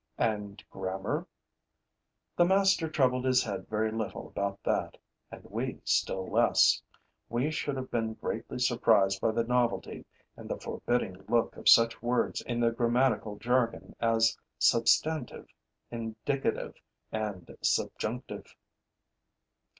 And grammar? The master troubled his head very little about that; and we still less. We should have been greatly surprised by the novelty and the forbidding look of such words in the grammatical jargon as substantive, indicative and subjunctive.